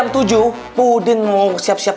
berhubung udah jam tujuh